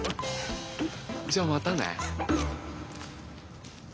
じゃあまたね。